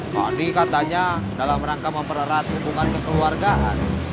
nah dikatanya dalam rangka mempererat hubungan kekeluargaan